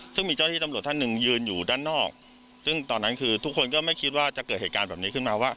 ซึ่งมีเจ้าที่ตำรวจท่านหนึ่งยืนอยู่ด้านนอกซึ่งตอนนั้นคือทุกคนก็ไม่คิดว่าจะเกิดเหตุการณ์แบบนี้ขึ้นมาว่า